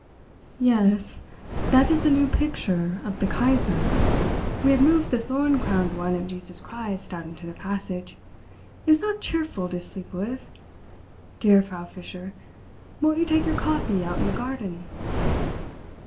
"Yes, that is a new picture of the Kaiser. We have moved the thorn crowned one of Jesus Christ out into the passage. It was not cheerful to sleep with. Dear Frau Fischer, won't you take your coffee out in the garden?"